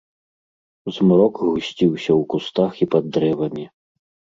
Змрок гусціўся ў кустах і пад дрэвамі.